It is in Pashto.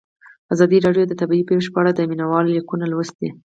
ازادي راډیو د طبیعي پېښې په اړه د مینه والو لیکونه لوستي.